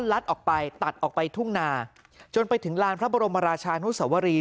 ลัดออกไปตัดออกไปทุ่งนาจนไปถึงลานพระบรมราชานุสวรี